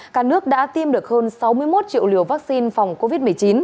cả nước đã tiêm được hơn sáu mươi một triệu liều vaccine phòng covid một mươi chín